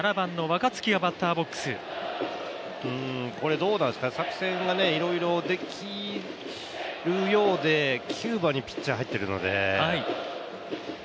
どうなんですかね、作戦がいろいろできるようで、９番にピッチャー入っているので。